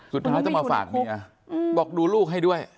สุดท้ายต้องมาฝากเมียบอกดูลูกให้ด้วย